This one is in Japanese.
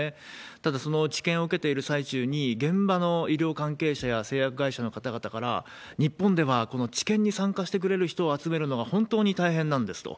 ただ、その治験を受けている最中に、現場の医療関係者や製薬会社の方々から、日本ではこの治験に参加してくれる人を集めるのが本当に大変なんですと。